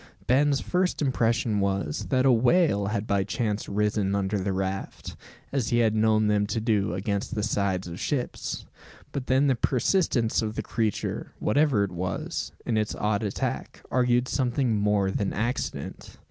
Ben's first impression was, that a whale had by chance risen under the raft; as he had known them to do against the sides of ships. But then the persistence of the creature, whatever it was, in its odd attack, argued something more than accident.